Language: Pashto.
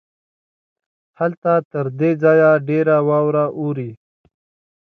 هلته تر دې ځای ډېره واوره اوري.